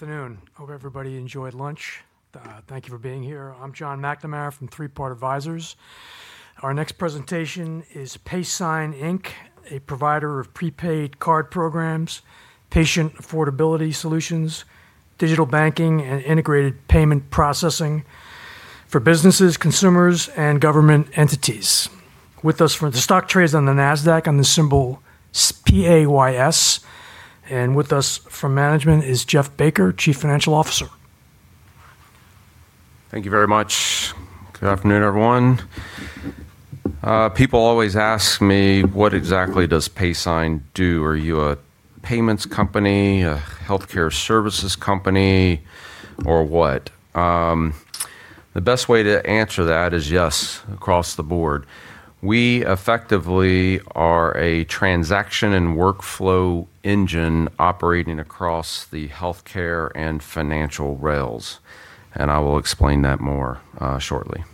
Afternoon. Hope everybody enjoyed lunch. Thank you for being here. I'm John McNamara from Three Part Advisors. Our next presentation is PaySign, Inc., a provider of prepaid card programs, patient affordability solutions, digital banking, and integrated payment processing for businesses, consumers, and government entities. The stock trades on the NASDAQ under the symbol PAYS, and with us from management is Jeff Baker, Chief Financial Officer. Thank you very much. Good afternoon, everyone. People always ask me, what exactly does PaySign do? Are you a payments company, a healthcare services company, or what? The best way to answer that is yes, across the board. We effectively are a transaction and workflow engine operating across the healthcare and financial rails, and I will explain that more shortly.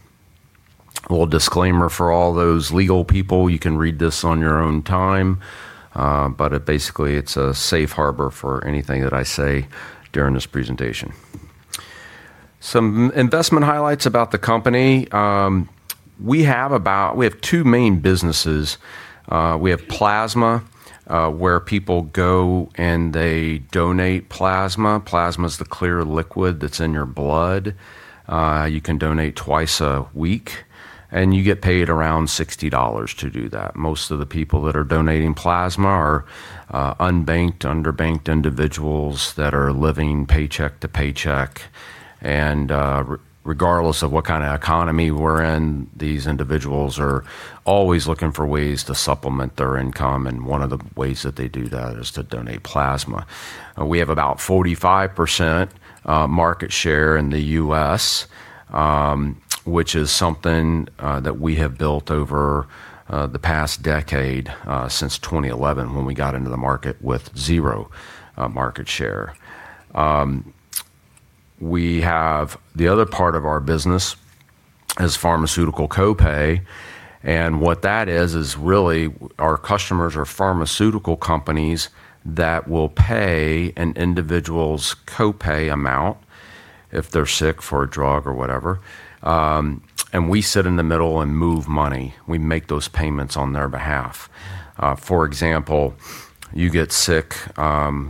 A little disclaimer for all those legal people, you can read this on your own time, but basically, it's a safe harbor for anything that I say during this presentation. Some investment highlights about the company. We have two main businesses. We have plasma, where people go and they donate plasma. Plasma's the clear liquid that's in your blood. You can donate twice a week, and you get paid around $60 to do that. Most of the people that are donating plasma are unbanked, underbanked individuals that are living paycheck to paycheck. Regardless of what kind of economy we're in, these individuals are always looking for ways to supplement their income, and one of the ways that they do that is to donate plasma. We have about 45% market share in the U.S., which is something that we have built over the past decade, since 2011, when we got into the market with zero market share. The other part of our business is pharmaceutical co-pay, and what that is really our customers are pharmaceutical companies that will pay an individual's co-pay amount if they're sick, for a drug or whatever, and we sit in the middle and move money. We make those payments on their behalf. For example, you get sick,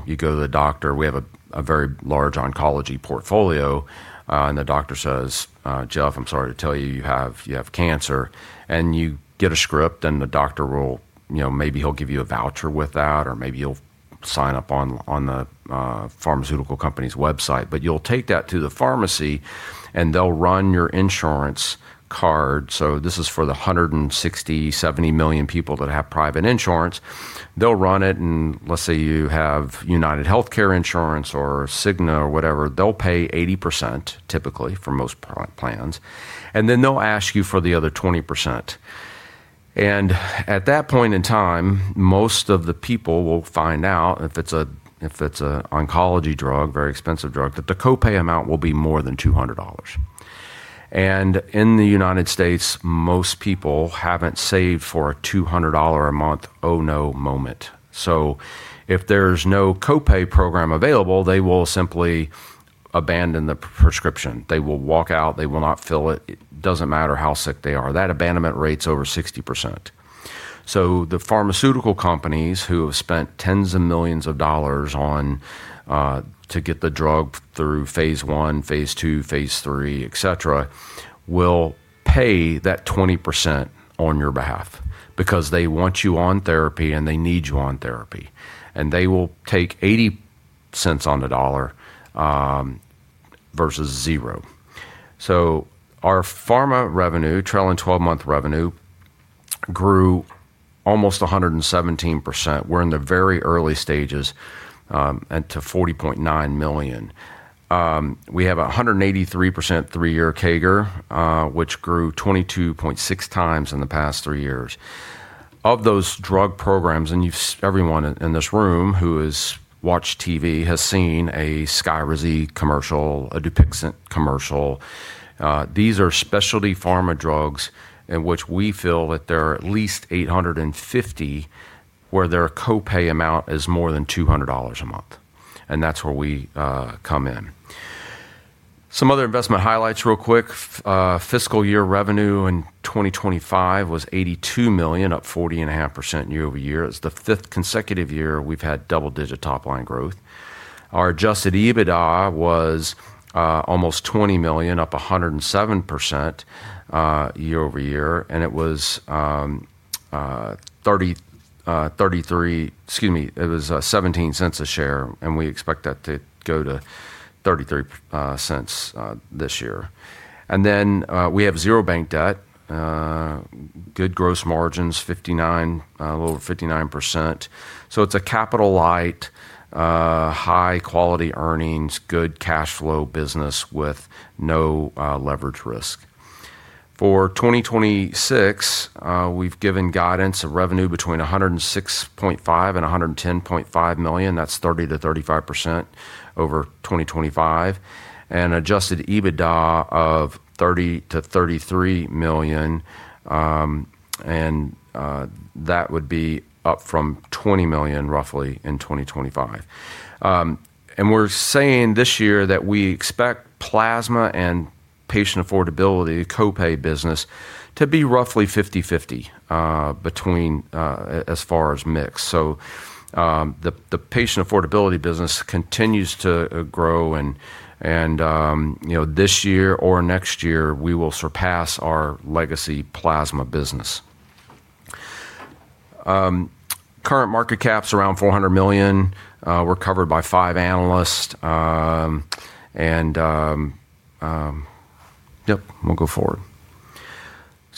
you go to the doctor. We have a very large oncology portfolio, and the doctor says, "Jeff, I'm sorry to tell you have cancer." You get a script, and the doctor will, maybe he'll give you a voucher with that, or maybe you'll sign up on the pharmaceutical company's website. You'll take that to the pharmacy, and they'll run your insurance card. This is for the 160, 70 million people that have private insurance. They'll run it, and let's say you have UnitedHealthcare Insurance or Cigna or whatever, they'll pay 80%, typically, for most plans, and then they'll ask you for the other 20%. At that point in time, most of the people will find out, if it's an oncology drug, very expensive drug, that the co-pay amount will be more than $200. In the U.S., most people haven't saved for a $200 a month, oh, no moment. If there's no co-pay program available, they will simply abandon the prescription. They will walk out. They will not fill it. It doesn't matter how sick they are. That abandonment rate's over 60%. The pharmaceutical companies who have spent tens of millions of dollars to get the drug through phase I, phase II, phase III, et cetera, will pay that 20% on your behalf because they want you on therapy, and they need you on therapy, and they will take $0.80 on the dollar, versus zero. Our pharma revenue, trailing 12-month revenue, grew almost 117%, we're in the very early stages, and to $40.9 million. We have 183% three-year CAGR, which grew 22.6 times in the past three years. Of those drug programs, everyone in this room who has watched TV has seen a SKYRIZI commercial, a DUPIXENT commercial. These are specialty pharma drugs in which we feel that there are at least 850 where their co-pay amount is more than $200 a month, and that's where we come in. Some other investment highlights real quick. FY 2025 revenue was $82 million, up 40.5% year-over-year. It's the fifth consecutive year we've had double-digit top-line growth. Our adjusted EBITDA was almost $20 million, up 107% year-over-year, and it was $0.17 a share, and we expect that to go to $0.33 this year. We have zero bank debt. Good gross margins, a little over 59%. It's a capital light, high quality earnings, good cash flow business with no leverage risk. For 2026, we've given guidance of revenue between $106.5 million-$110.5 million. That's 30%-35% over 2025. An adjusted EBITDA of $30 million-$33 million. That would be up from $20 million roughly in 2025. We're saying this year that we expect plasma and patient affordability co-pay business to be roughly 50/50 between as far as mix. The patient affordability business continues to grow and this year or next year, we will surpass our legacy plasma business. Current market cap's around $400 million. We're covered by five analysts, yep, we'll go forward.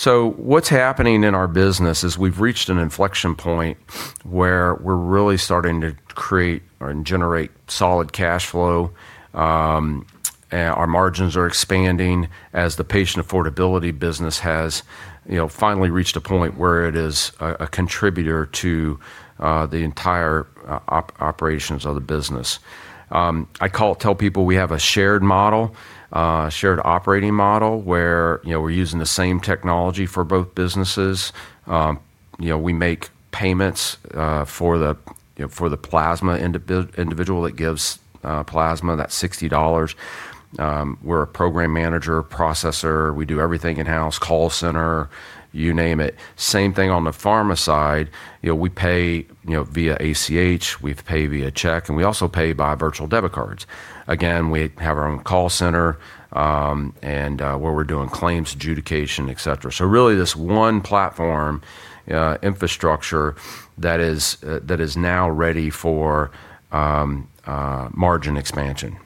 What's happening in our business is we've reached an inflection point where we're really starting to create and generate solid cash flow. Our margins are expanding as the patient affordability business has finally reached a point where it is a contributor to the entire operations of the business. I tell people we have a shared model, a shared operating model, where we're using the same technology for both businesses. We make payments for the plasma individual that gives plasma, that $60. We're a program manager, processor, we do everything in-house, call center, you name it. Same thing on the pharma side. We pay via ACH, we pay via check, we also pay by virtual debit cards. Again, we have our own call center, and where we're doing claims adjudication, et cetera. Really this one platform infrastructure that is now ready for margin expansion.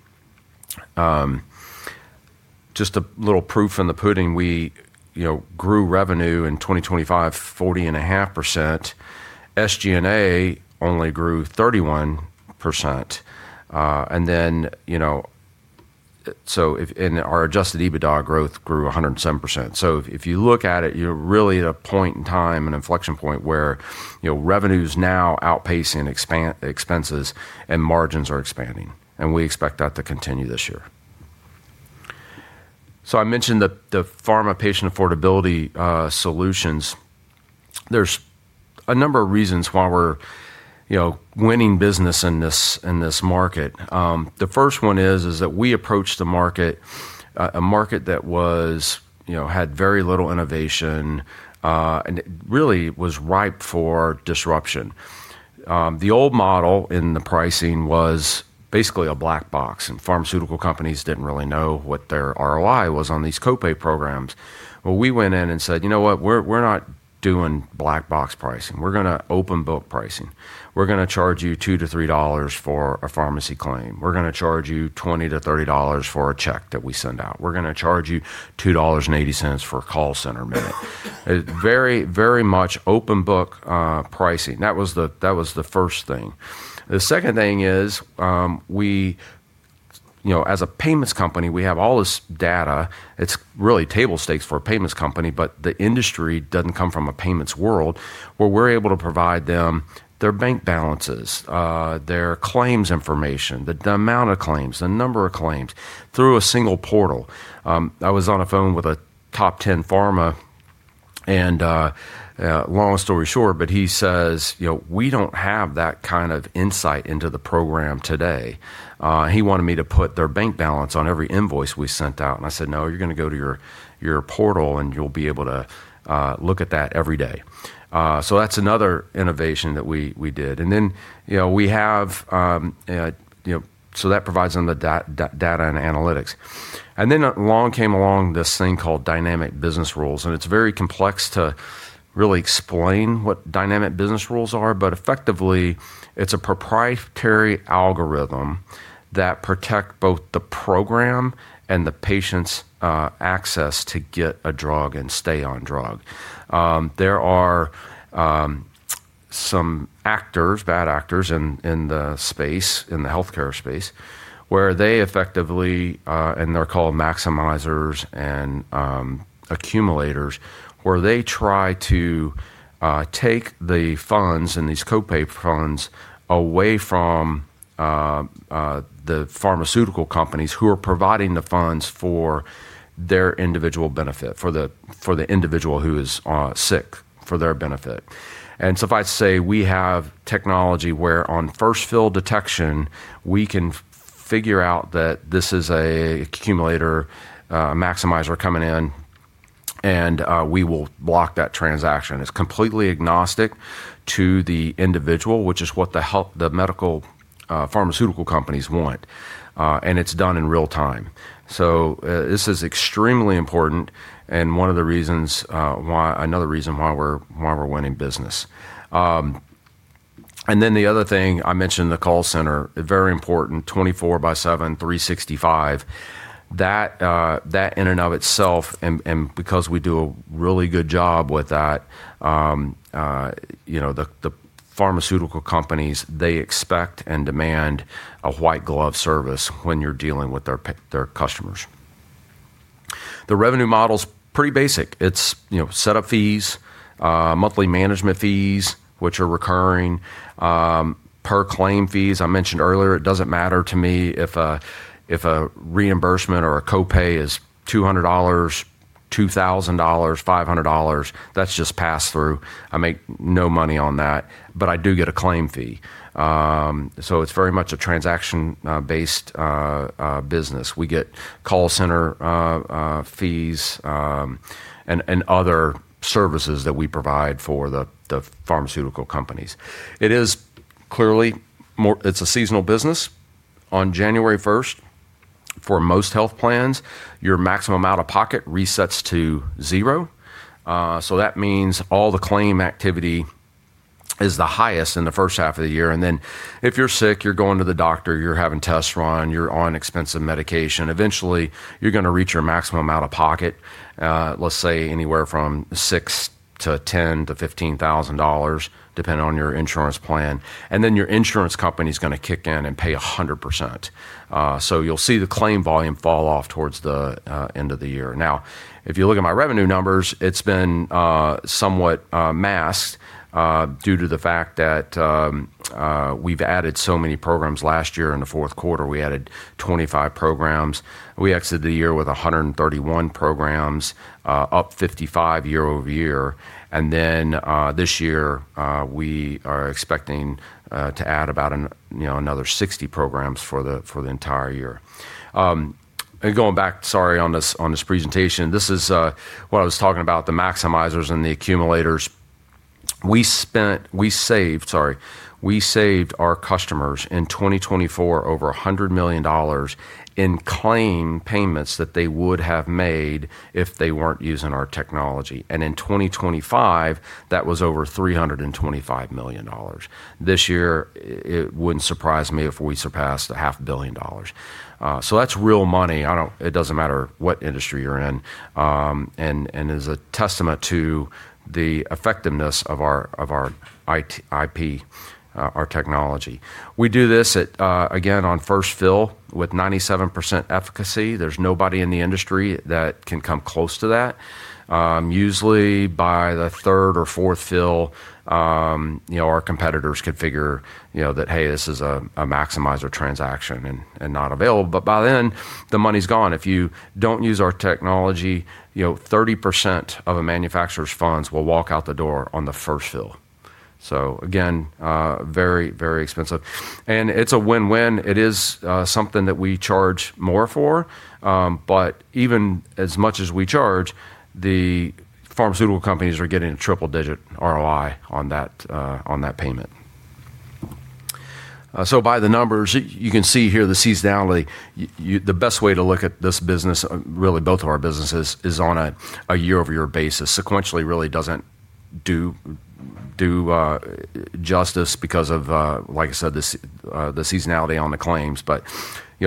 Just a little proof in the pudding, we grew revenue in 2025, 40.5%. SG&A only grew 31%. Our adjusted EBITDA growth grew 107%. If you look at it, you're really at a point in time, an inflection point, where revenue's now outpacing expenses and margins are expanding. We expect that to continue this year. I mentioned the pharma patient affordability solutions. There's a number of reasons why we're winning business in this market. The first one is that we approached the market, a market that had very little innovation, and it really was ripe for disruption. The old model in the pricing was basically a black box, and pharmaceutical companies didn't really know what their ROI was on these copay programs. We went in and said, "You know what? We're not doing black box pricing. We're going to open book pricing. We're going to charge you $2-$3 for a pharmacy claim. We're going to charge you $20-$30 for a check that we send out. We're going to charge you $2.80 for a call center minute." Very much open book pricing. That was the first thing. The second thing is as a payments company, we have all this data. It's really table stakes for a payments company, the industry doesn't come from a payments world where we're able to provide them their bank balances, their claims information, the amount of claims, the number of claims through a single portal. I was on a phone with a top 10 pharma, long story short, he says, "We don't have that kind of insight into the program today." He wanted me to put their bank balance on every invoice we sent out, I said, "No, you're going to go to your portal, and you'll be able to look at that every day." That's another innovation that we did. That provides them the data and analytics. Along came along this thing called Dynamic Business Rules, it's very complex to really explain what Dynamic Business Rules are, effectively, it's a proprietary algorithm that protect both the program and the patient's access to get a drug and stay on drug. There are some bad actors in the healthcare space where they effectively, they're called maximizers and accumulators, where they try to take the funds and these copay funds away from the pharmaceutical companies who are providing the funds for their individual benefit, for the individual who is sick, for their benefit. Suffice to say, we have technology where on first fill detection, we can figure out that this is an accumulator maximizer coming in, we will block that transaction. It's completely agnostic to the individual, which is what the medical pharmaceutical companies want. It's done in real time. This is extremely important and another reason why we're winning business. The other thing, I mentioned the call center, very important, 24 by seven, 365. That in and of itself, because we do a really good job with that, the pharmaceutical companies, they expect and demand a white glove service when you're dealing with their customers. The revenue model's pretty basic. It's set up fees, monthly management fees, which are recurring, per claim fees. I mentioned earlier, it doesn't matter to me if a reimbursement or a copay is $200, $2,000, $500, that's just pass through. I make no money on that, I do get a claim fee. It's very much a transaction-based business. We get call center fees, other services that we provide for the pharmaceutical companies. It's a seasonal business. On January 1st, for most health plans, your maximum out-of-pocket resets to zero. That means all the claim activity is the highest in the first half of the year. If you're sick, you're going to the doctor, you're having tests run, you're on expensive medication. Eventually, you're going to reach your maximum out-of-pocket, let's say anywhere from 6-10 to $15,000, depending on your insurance plan. Your insurance company's going to kick in and pay 100%. You'll see the claim volume fall off towards the end of the year. If you look at my revenue numbers, it's been somewhat masked, due to the fact that we've added so many programs. Last year in the fourth quarter, we added 25 programs. We exited the year with 131 programs, up 55 year-over-year. This year, we are expecting to add about another 60 programs for the entire year. Going back, sorry, on this presentation, this is what I was talking about, the maximizers and the accumulators. We saved our customers in 2024 over $100 million in claim payments that they would have made if they weren't using our technology. In 2025, that was over $325 million. This year, it wouldn't surprise me if we surpassed a half a billion dollars. That's real money. It doesn't matter what industry you're in, and is a testament to the effectiveness of our IP, our technology. We do this, again, on first fill with 97% efficacy. There's nobody in the industry that can come close to that. Usually by the third or fourth fill, our competitors could figure that, hey, this is a maximizer transaction and not available. By then, the money's gone. If you don't use our technology, 30% of a manufacturer's funds will walk out the door on the first fill. Again, very expensive. It's a win-win. It is something that we charge more for, but even as much as we charge, the pharmaceutical companies are getting triple digit ROI on that payment. By the numbers, you can see here the seasonality. The best way to look at this business, really both of our businesses, is on a year-over-year basis. Sequentially really doesn't do justice because of, like I said, the seasonality on the claims.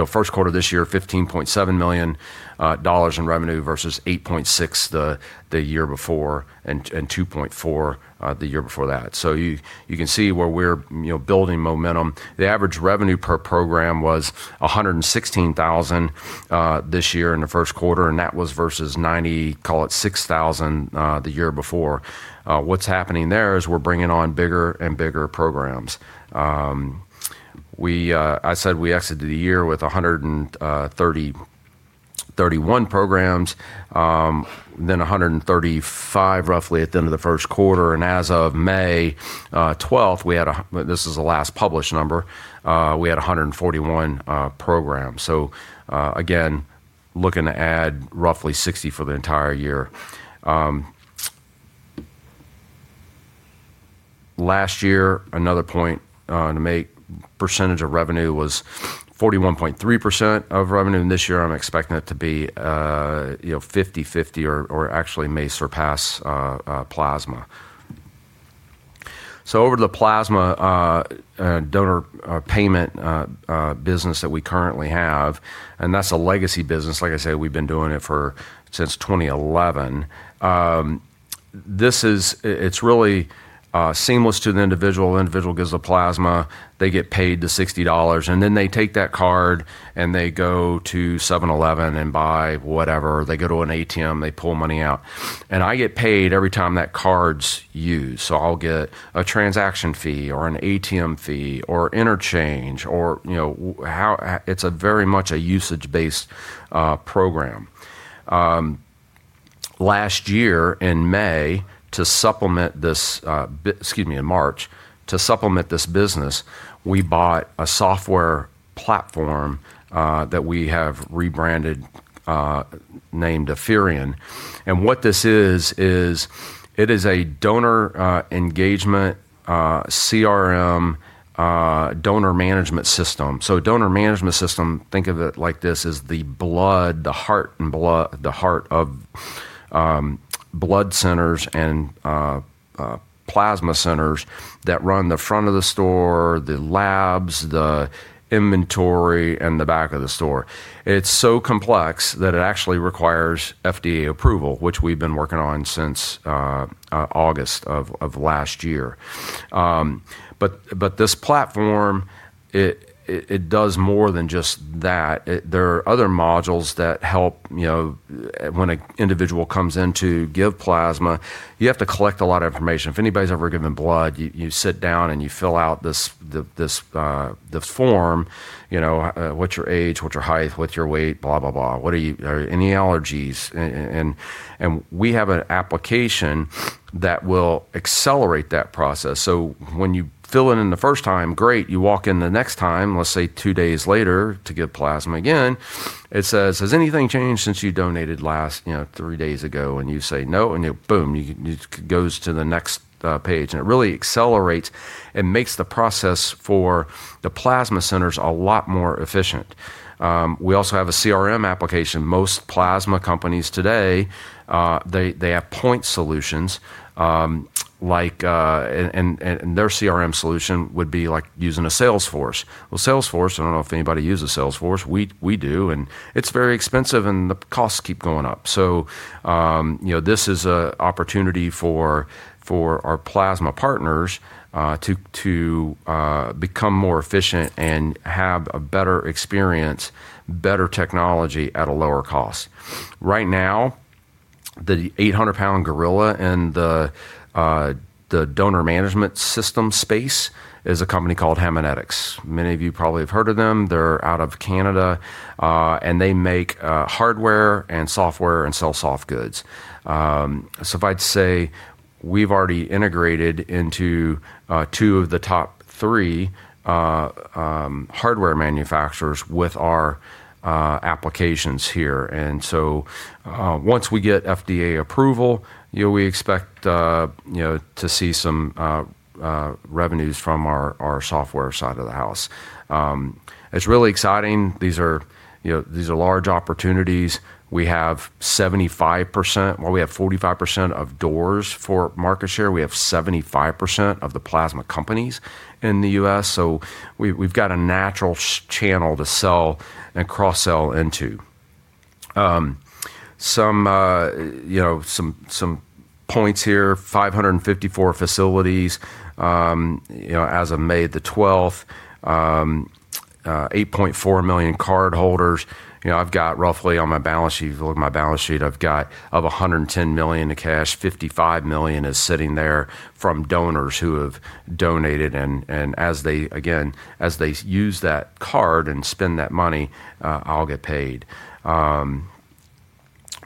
First quarter this year, $15.7 million in revenue versus $8.6 million the year before, and $2.4 million the year before that. You can see where we're building momentum. The average revenue per program was $116,000 this year in the first quarter. That was versus $96,000 the year before. What's happening there is we're bringing on bigger and bigger programs. I said we exited the year with 131 programs, then 135 roughly at the end of the first quarter. As of May 12th, this is the last published number, we had 141 programs. Again, looking to add roughly 60 for the entire year. Last year, another point to make, percentage of revenue was 41.3% of revenue. This year, I'm expecting it to be 50/50 or actually may surpass plasma. Over to the plasma donor payment business that we currently have, and that's a legacy business. Like I said, we've been doing it since 2011. It's really seamless to the individual. Individual gives the plasma, they get paid the $60, then they take that card and they go to 7-Eleven and buy whatever. They go to an ATM, they pull money out. I get paid every time that card's used. I'll get a transaction fee or an ATM fee or interchange, or it's a very much a usage-based program. Last year in May to supplement this, excuse me, in March, to supplement this business, we bought a software platform, that we have rebranded, named Apherion. What this is it is a donor engagement CRM donor management system. Donor management system, think of it like this, is the heart of blood centers and plasma centers that run the front of the store, the labs, the inventory, and the back of the store. It's so complex that it actually requires FDA approval, which we've been working on since August of last year. This platform, it does more than just that. There are other modules that help when an individual comes in to give plasma, you have to collect a lot of information. If anybody's ever given blood, you sit down and you fill out this form, what's your age? What's your height? What's your weight? Blah, blah. Any allergies? We have an application that will accelerate that process. When you fill it in the first time, great. You walk in the next time, let's say two days later, to give plasma again, it says, "Has anything changed since you donated last three days ago?" You say, "No." Boom, it goes to the next page. It really accelerates and makes the process for the plasma centers a lot more efficient. We also have a CRM application. Most plasma companies today, they have point solutions, and their CRM solution would be like using a Salesforce. Well, Salesforce, I don't know if anybody uses Salesforce, we do, and it's very expensive and the costs keep going up. This is an opportunity for our plasma partners, to become more efficient and have a better experience, better technology at a lower cost. Right now, the 800-pound gorilla in the donor management system space is a company called Haemonetics. Many of you probably have heard of them. They're out of Canada, and they make hardware and software and sell soft goods. If I'd say we've already integrated into two of the top three hardware manufacturers with our applications here. Once we get FDA approval, we expect to see some revenues from our software side of the house. It's really exciting. These are large opportunities. We have 75%, well, we have 45% of doors for market share. We have 75% of the plasma companies in the U.S., so we've got a natural channel to sell and cross-sell into. Some points here, 554 facilities as of May 12th, 8.4 million cardholders. I've got roughly on my balance sheet, if you look at my balance sheet, I've got of $110 million in cash, $55 million is sitting there from donors who have donated, and again, as they use that card and spend that money, I'll get paid.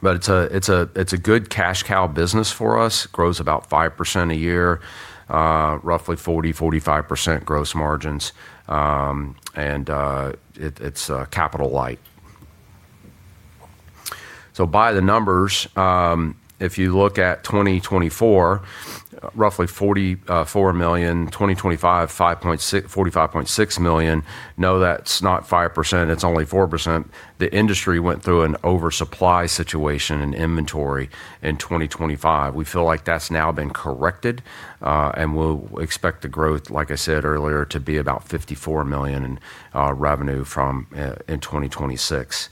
It's a good cash cow business for us. Grows about 5% a year. Roughly 40%-45% gross margins. It's capital light. By the numbers, if you look at 2024, roughly $44 million. 2025, $45.6 million. No, that's not 5%, it's only 4%. The industry went through an oversupply situation in inventory in 2025. We feel like that's now been corrected, we'll expect the growth, like I said earlier, to be about $54 million in revenue in 2026.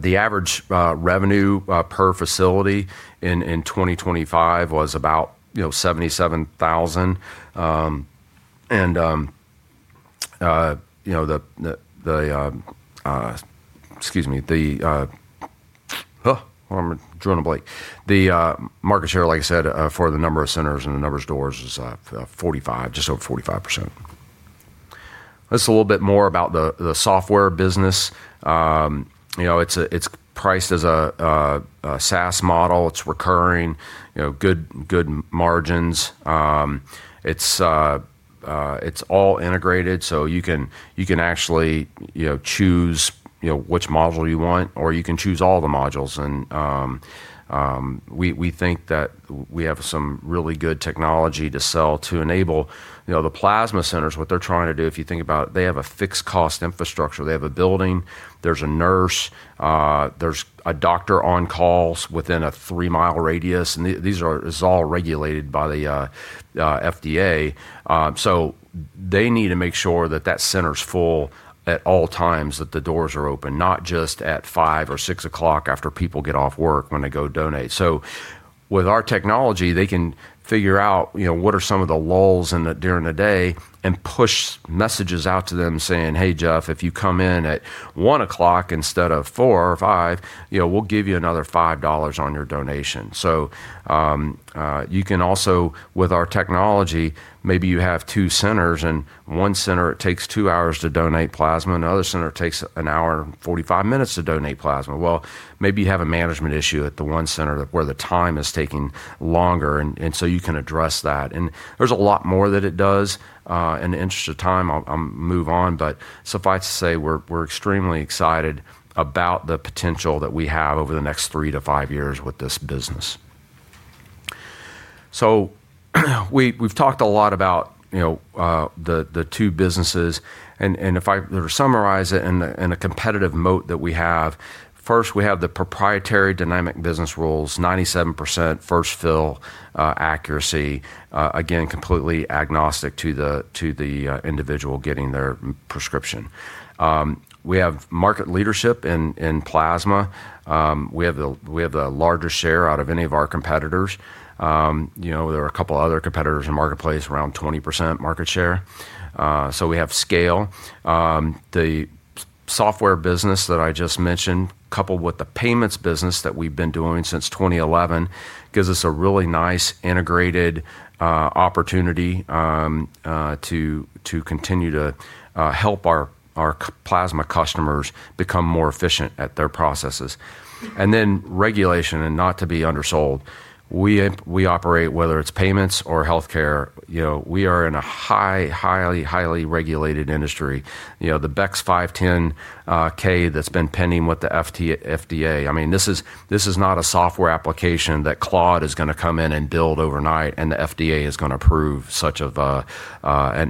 The average revenue per facility in 2025 was about $77,000. Excuse me. I'm drawing a blank. The market share, like I said, for the number of centers and the number of doors is 45, just over 45%. This is a little bit more about the software business. It's priced as a SaaS model. It's recurring, good margins. It's all integrated, so you can actually choose which module you want, or you can choose all the modules. We think that we have some really good technology to sell to enable the plasma centers, what they're trying to do, if you think about it, they have a fixed cost infrastructure. They have a building, there's a nurse, there's a doctor on calls within a three-mile radius, and this is all regulated by the FDA. They need to make sure that that center's full at all times that the doors are open, not just at five or six o'clock after people get off work when they go donate. With our technology, they can figure out what are some of the lulls during the day and push messages out to them saying, "Hey, Jeff, if you come in at one o'clock instead of five, we'll give you another $5 on your donation." You can also, with our technology, maybe you have two centers and one center, it takes two hours to donate plasma, another center takes an hour and 45 minutes to donate plasma. Maybe you have a management issue at the one center where the time is taking longer, you can address that. There's a lot more that it does. In the interest of time, I'll move on. Suffice to say, we're extremely excited about the potential that we have over the next three to five years with this business. We've talked a lot about the two businesses. If I were to summarize it in a competitive moat that we have, first, we have the proprietary dynamic business rules, 97% first fill accuracy. Again, completely agnostic to the individual getting their prescription. We have market leadership in plasma. We have the larger share out of any of our competitors. There are a couple other competitors in the marketplace, around 20% market share. We have scale. The software business that I just mentioned, coupled with the payments business that we've been doing since 2011, gives us a really nice integrated opportunity to continue to help our plasma customers become more efficient at their processes. Regulation, not to be undersold. We operate, whether it's payments or healthcare, we are in a highly regulated industry. The BEC 510(k) that's been pending with the FDA, this is not a software application that Claude is going to come in and build overnight and the FDA is going to approve such an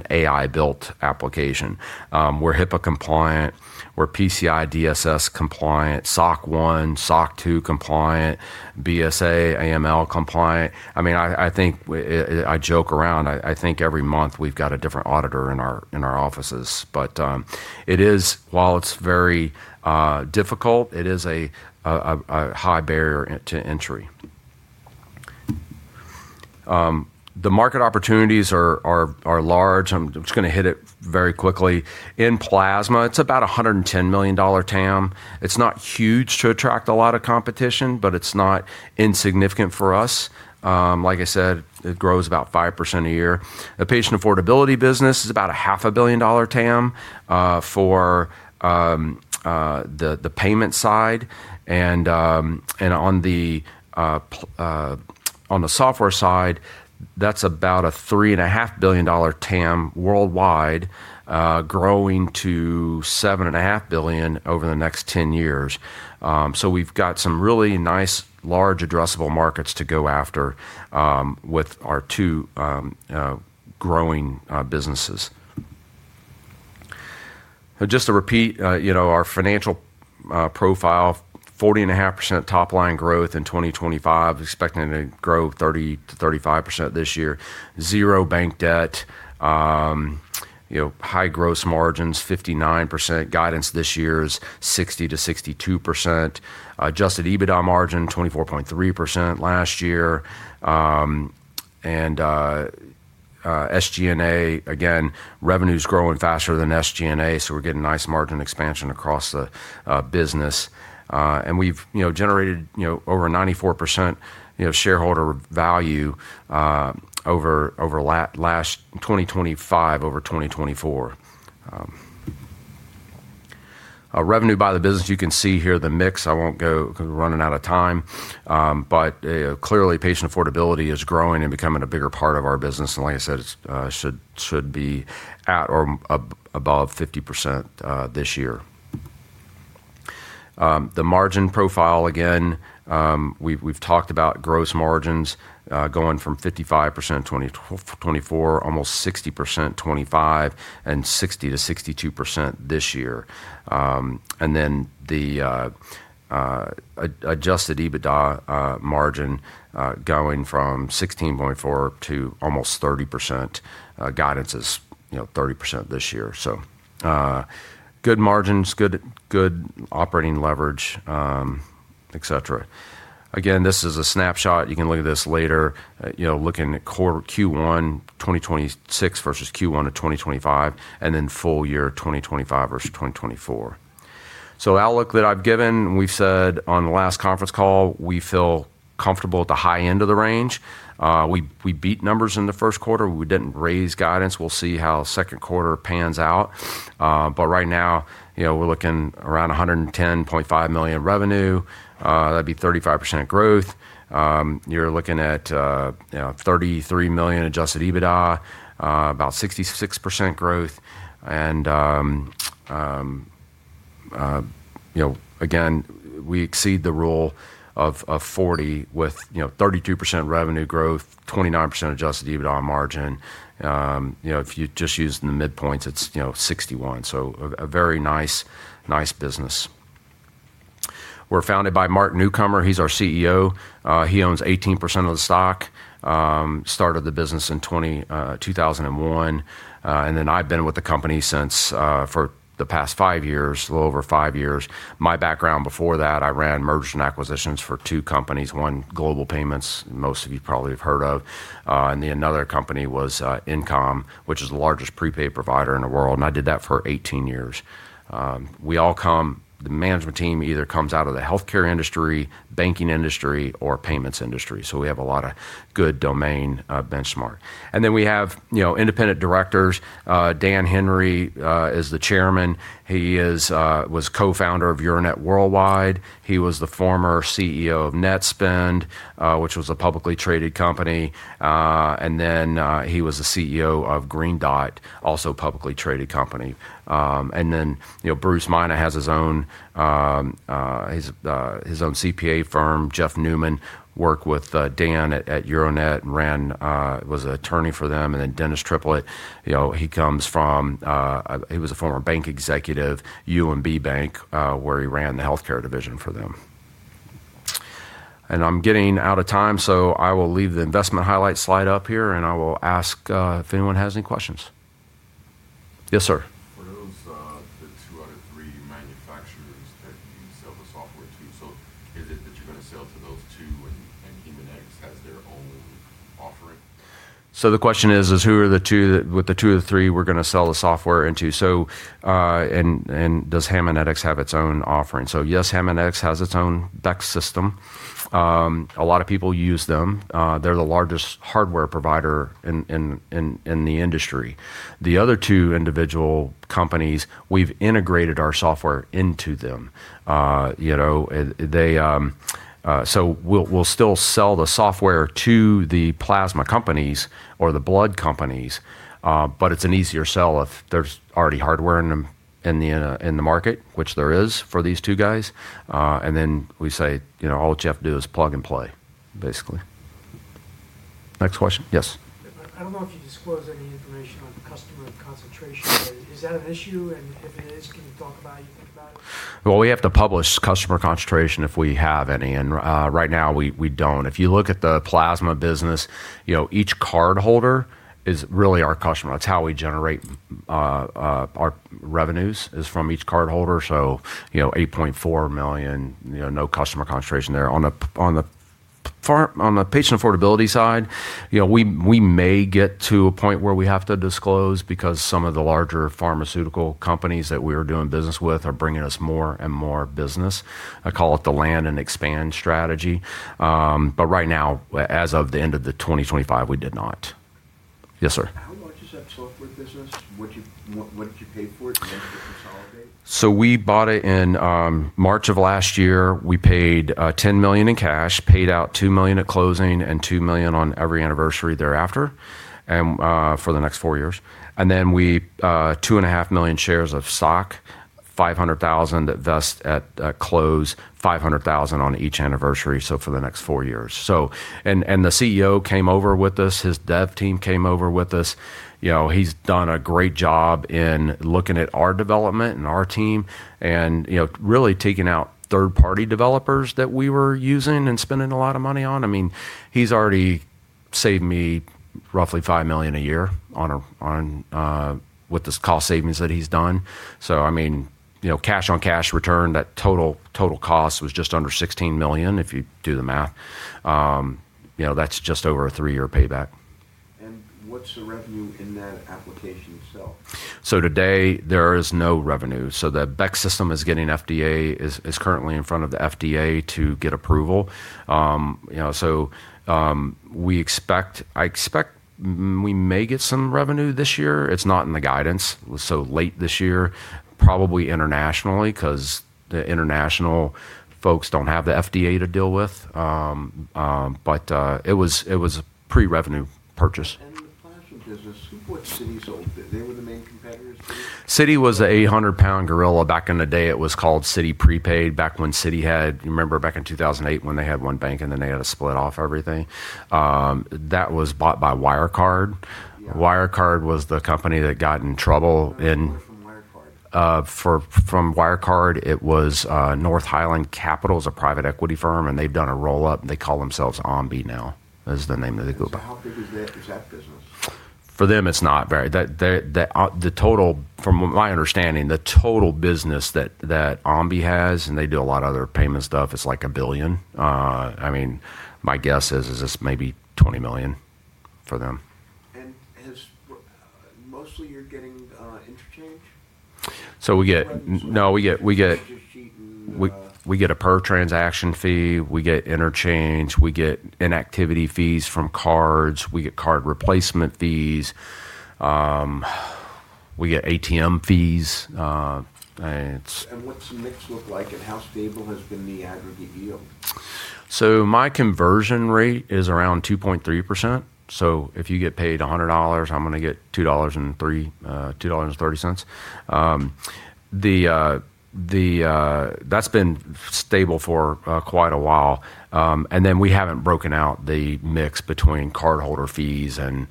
AI-built application. We're HIPAA compliant. We're PCI DSS compliant, SOC 1, SOC 2 compliant, BSA/AML compliant. I joke around, I think every month we've got a different auditor in our offices. While it's very difficult, it is a high barrier to entry. The market opportunities are large. I'm just going to hit it very quickly. In plasma, it's about $110 million TAM. It's not huge to attract a lot of competition, but it's not insignificant for us. Like I said, it grows about 5% a year. The patient affordability business is about a half a billion dollar TAM for the payment side. On the software side, that's about a three and a half billion dollar TAM worldwide, growing to seven and a half billion over the next 10 years. We've got some really nice large addressable markets to go after with our two growing businesses. Just to repeat, our financial profile, 40.5% top line growth in 2025. Expecting to grow 30%-35% this year. Zero bank debt. High gross margins, 59% guidance this year is 60%-62%. Adjusted EBITDA margin, 24.3% last year. SG&A, again, revenue's growing faster than SG&A, so we're getting nice margin expansion across the business. We've generated over 94% shareholder value 2025 over 2024. Revenue by the business, you can see here the mix. I won't go because we're running out of time. Clearly, patient affordability is growing and becoming a bigger part of our business. Like I said, it should be at or above 50% this year. The margin profile, again, we've talked about gross margins going from 55% in 2024, almost 60% in 2025, 60%-62% this year. The adjusted EBITDA margin going from 16.4% to almost 30%. Guidance is 30% this year. Good margins, good operating leverage, etcetera. Again, this is a snapshot. You can look at this later looking at Q1 2026 versus Q1 of 2025, and then full-year 2025 versus 2024. Outlook that I've given, we've said on the last conference call, we feel comfortable at the high end of the range. We beat numbers in the first quarter. We didn't raise guidance. We'll see how second quarter pans out. Right now, we're looking around $110.5 million revenue. That'd be 35% growth. You're looking at $33 million adjusted EBITDA, about 66% growth. Again, we exceed the Rule of 40 with 32% revenue growth, 29% adjusted EBITDA margin. If you just use the midpoints, it's 61. A very nice business. We're founded by Mark Newcomer. He's our CEO. He owns 18% of the stock. Started the business in 2001. I've been with the company for the past five years, a little over five years. My background before that, I ran mergers and acquisitions for two companies. One, Global Payments, most of you probably have heard of. The another company was InComm, which is the largest prepaid provider in the world, and I did that for 18 years. The management team either comes out of the healthcare industry, banking industry, or payments industry. We have a lot of good domain benchmark. We have independent directors. Dan Henry is the chairman. He was co-founder of Euronet Worldwide. He was the former CEO of Netspend, which was a publicly traded company. He was the CEO of Green Dot, also a publicly traded company. Bruce Mina has his own CPA firm. Jeffrey Newman worked with Dan at Euronet and was an attorney for them. Dennis Triplett, he was a former bank executive, UMB Bank, where he ran the healthcare division for them. I'm getting out of time, so I will leave the investment highlights slide up here, and I will ask if anyone has any questions. Yes, sir. For those, the two out of three manufacturers that you sell the software to, is it that you're going to sell to those two and Haemonetics has their own offering? The question is, who are the two, with the two of the three we're going to sell the software into. Does Haemonetics have its own offering? Yes, Haemonetics has its own BEC system. A lot of people use them. They're the largest hardware provider in the industry. The other two individual companies, we've integrated our software into them. We'll still sell the software to the plasma companies or the blood companies. It's an easier sell if there's already hardware in the market, which there is for these two guys. We say, "All you have to do is plug and play," basically. Next question. Yes. I don't know if you disclosed any information on customer concentration. Is that an issue? If it is, can you talk about anything about it? We have to publish customer concentration if we have any, and right now we don't. If you look at the plasma business, each cardholder is really our customer. It's how we generate our revenues is from each cardholder. $8.4 million, no customer concentration there. On the patient affordability side, we may get to a point where we have to disclose because some of the larger pharmaceutical companies that we are doing business with are bringing us more and more business. I call it the land and expand strategy. Right now, as of the end of 2025, we did not. Yes, sir. How much is that software business? What did you pay for it? Did you consolidate? We bought it in March of last year. We paid $10 million in cash, paid out $2 million at closing, and $2 million on every anniversary thereafter, for the next four years. We, 2.5 million shares of stock, 500,000 shares vest at close, 500,000 shares on each anniversary for the next four years. The CEO came over with us. His dev team came over with us. He's done a great job in looking at our development and our team and really taking out third-party developers that we were using and spending a lot of money on. He's already saved me roughly $5 million a year with this cost savings that he's done. Cash on cash return, that total cost was just under $16 million. If you do the math, that's just over a three-year payback. What's the revenue in that application itself? Today, there is no revenue. The BEC system is currently in front of the FDA to get approval. I expect we may get some revenue this year. It is not in the guidance, late this year, probably internationally because the international folks don't have the FDA to deal with. It was a pre-revenue purchase. In the plasma business, who was Citi sold to? They were the main competitors to you? Citi was a 800-pound gorilla back in the day. It was called Citi Prepaid back when Citi had You remember back in 2008 when they had one bank and then they had to split off everything? That was bought by Wirecard. Yeah. Wirecard was the company that got in trouble. Who bought from Wirecard? From Wirecard, it was Northlane Capital. It's a private equity firm, and they've done a roll-up, and they call themselves Anvi now. That is the name of the group. How big is that business? For them, from my understanding, the total business that Anvi has, and they do a lot of other payment stuff, is like $1 billion. My guess is this maybe $20 million for them. Mostly you're getting interchange? We get- Revenue. No, we get- Interest, sheet and- We get a per transaction fee, we get interchange, we get inactivity fees from cards, we get card replacement fees. We get ATM fees. What's the mix look like? How stable has been the aggregate yield? My conversion rate is around 2.3%. If you get paid $100, I'm going to get $2.30. That's been stable for quite a while. We haven't broken out the mix between cardholder fees and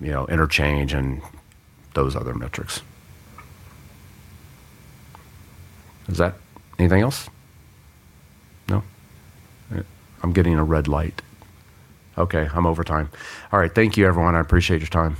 interchange and those other metrics. Is that, anything else? No? I'm getting a red light. Okay, I'm over time. All right. Thank you everyone. I appreciate your time.